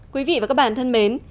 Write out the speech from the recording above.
quý vị và các bạn thân mến